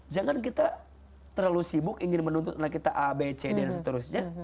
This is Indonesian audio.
jangan kita terlalu sibuk ingin menuntut anak kita a b c dan seterusnya